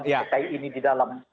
pki ini di dalam